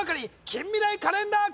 近未来カレンダー